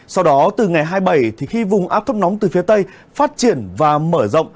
sau đó từ ngày hai mươi bảy khi vùng áp thấp nóng từ phía tây phát triển và mở rộng